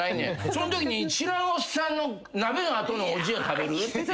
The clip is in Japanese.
そんときに知らんおっさんの鍋の後のおじや食べる？